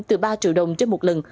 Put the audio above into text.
từ ba triệu đồng trên một lần